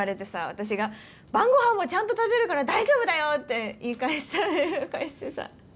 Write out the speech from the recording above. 私が晩ごはんもちゃんと食べるから大丈夫だよって言い返してさ。